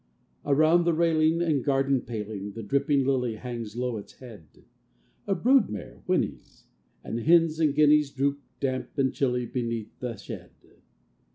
Around the railing and garden paling The dripping lily hangs low its head: A brood mare whinnies; and hens and guineas Droop, damp and chilly, beneath the shed.